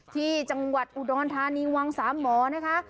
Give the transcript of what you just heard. ที่จังหวัดอุดรธานีวังสามหมอนะคะ